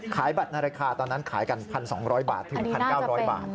ขายบัตรในราคาตอนนั้นขายกัน๑๒๐๐บาทถึง๑๙๐๐บาท